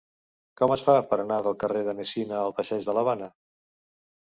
Com es fa per anar del carrer de Messina al passeig de l'Havana?